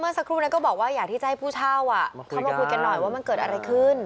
สักครู่นั้นก็บอกว่าอยากที่จะให้ผู้เช่าเข้ามาคุยกันหน่อยว่ามันเกิดอะไรขึ้น